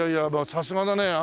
さすがだね。